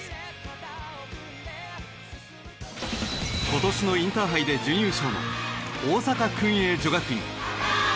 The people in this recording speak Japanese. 今年のインターハイで準優勝の大阪薫英女学院。